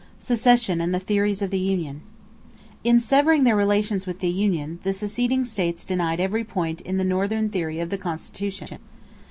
=Secession and the Theories of the Union.= In severing their relations with the union, the seceding states denied every point in the Northern theory of the Constitution.